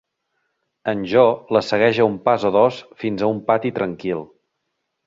En Jo la segueix a un pas o dos fins a un pati tranquil.